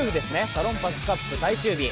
サロンパスカップ最終日。